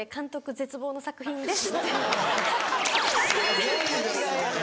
「絶望の作品です」。